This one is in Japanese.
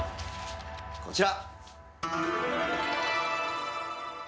こちら！